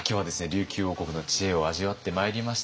琉球王国の知恵を味わってまいりました。